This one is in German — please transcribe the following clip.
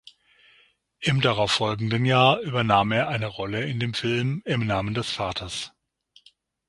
Im darauffolgenden Jahr übernahm er eine Rolle in dem Film "Im Namen des Vaters".